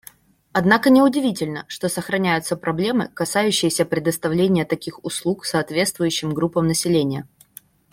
Однако не удивительно, что сохраняются проблемы, касающиеся предоставления таких услуг соответствующим группам населения.